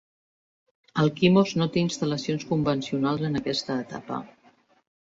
Alkimos no té instal·lacions convencionals en aquesta etapa.